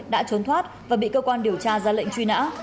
đã trốn thoát và bị cơ quan điều tra ra lệnh truy nã